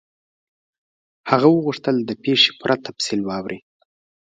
هغه وغوښتل چې د پیښې پوره تفصیل واوري.